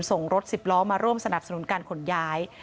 ส่งรถสิบล้อมาร่วมสนับสนุนการขนย้าย